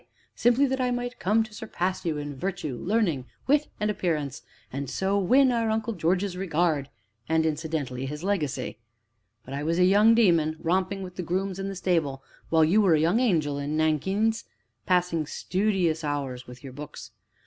simply that I might come to surpass you in virtue, learning, wit, and appearance, and so win our Uncle George's regard, and, incidentally, his legacy. But I was a young demon, romping with the grooms in the stable, while you were a young angel in nankeens, passing studious hours with your books.